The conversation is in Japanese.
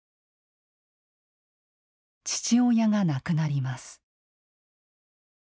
父親が亡くなります。